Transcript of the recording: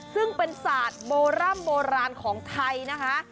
ซึ่งเป็นศาสตร์โบร่ำโบราณของไทยนะคะ